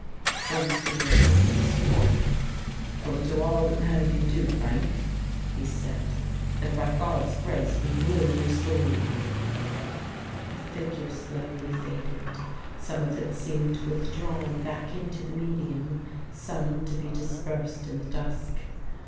Once more Roupert spoke. "I will do all that man can do, Frank," he said, "and by God's grace we will restore you." The figure slowly faded; some of it seemed withdrawn back into the medium, some to be dispersed in the dusk.